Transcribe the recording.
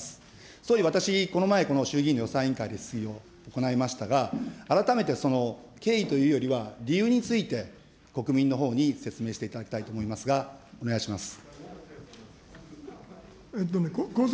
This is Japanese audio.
総理、私この前この衆議院の予算委員会で質疑を行いましたが、改めてその、経緯というよりは理由について、国民のほうに、説明していただきたいと思いますが、お願いします。